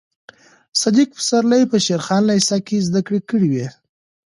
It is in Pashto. صدیق پسرلي په شېر خان لېسه کې زده کړې کړې وې.